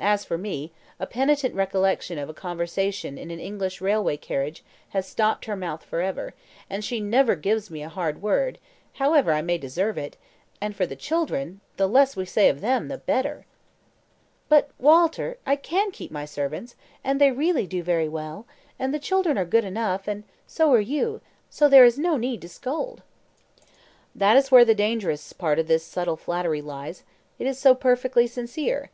As for me, a penitent recollection of a conversation in an English railway carriage has stopped her mouth for ever, and she never gives me a hard word, however I may deserve it; and for the children, the less we say of them the better." "But, Walter, I can keep my servants, and they really do very well; and the children are good enough, and so are you; so there is no need to scold." "That is where the dangerous part of this subtle flattery lies; it is so perfectly sincere.